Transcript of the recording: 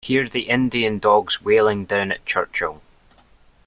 Hear the Indian dogs wailing down at Churchill.